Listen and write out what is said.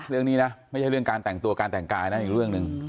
เรื่องนี้นะไม่ใช่เรื่องการแต่งตัวการแต่งกายนะอีกเรื่องหนึ่ง